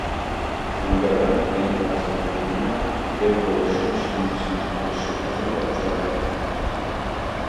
Թանգարանն այն վարձակալում է և որոշվում շինությունը բաց շուկայում վաճառել։